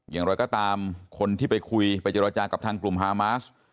อย่างไรก็ตามคนที่ไปคุยไปเจรจากับทางกลุ่มฮามาส